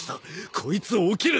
こいつ起きる！